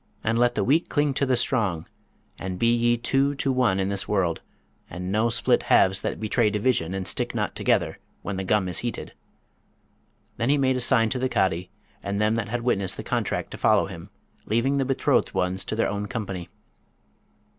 and let the weak cling to the strong; and be ye two to one in this world, and no split halves that betray division and stick not together when the gum is heated.' Then he made a sign to the Cadi and them that had witnessed the contract to follow him, leaving the betrothed ones to their own company.